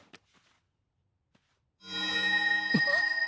あっ！